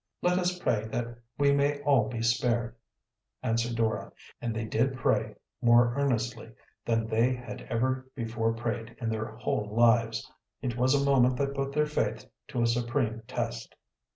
"Let us pray that we may all be spared," answered Dora, and they did pray, more earnestly than they had ever before prayed in their whole lives. It was a moment that put their faith to a supreme test.